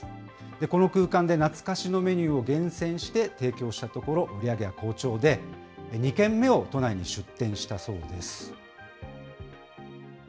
この空間で懐かしのメニューを厳選して、提供したところ、売り上げは好調で、２軒目を都内に出店したそうです。